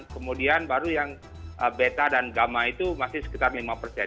kemudian baru yang beta dan gamma itu masih sekitar lima persen